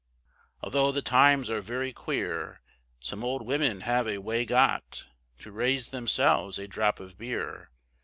Although the times are very queer, Some old women have a way got, To raise themselves a drop of beer.